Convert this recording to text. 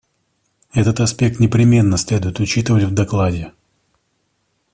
Этот аспект непременно следует учитывать в докладе.